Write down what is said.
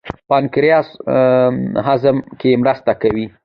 پانکریاس هضم کې مرسته کوي.